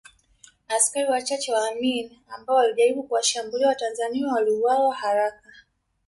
Askari wachache wa Amin ambao walijaribu kuwashambulia Watanzania waliuawa haraka